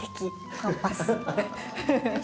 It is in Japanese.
パンパス。